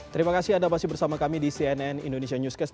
terima kasih anda masih bersama kami di cnn indonesia newscast